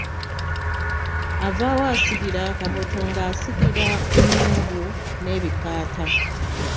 Avaawo asigira, kabotongo asigira ennugu n'ebikaata .